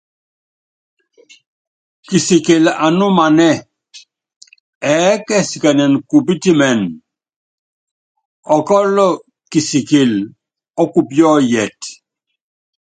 Kisikili anúmanɛ́ɛ, ɛɛ́ kɛsikɛnɛ kupítimɛn, ɔkɔ́lɔ kisikili ɔ́kupíɔ́yɛt.